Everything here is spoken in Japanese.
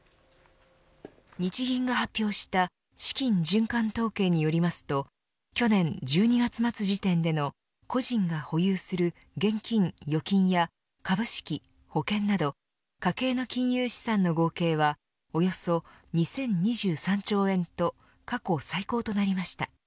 日銀が発表した資金循環統計によりますと去年１２月末時点での個人が保有する現金、預金や株式、保険など家計の金融資産の合計はおよそ２０２３兆円と過去最高となりました。